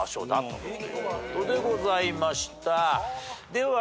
では